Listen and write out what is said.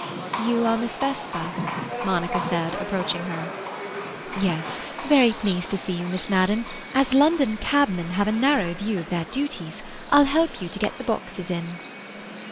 "You are Miss Vesper?" Monica said, approaching her. "Yes—very pleased to see you, Miss Madden. As London cabmen have a narrow view of their duties, I'll help you to get the boxes in."